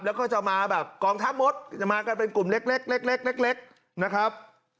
แล้วก็จะมาแบบกองทัพมดจะมากันเป็นกลุ่มเล็กนะครับ